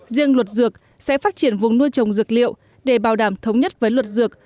riêng luật dược sẽ phát triển vùng nuôi trồng dược liệu để bảo đảm thống nhất với luật dược